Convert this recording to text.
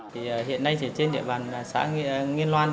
hiện nay trên địa bàn xã nghiên loan